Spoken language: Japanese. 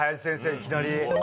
いきなり。